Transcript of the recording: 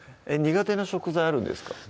苦手な食材あるんですか？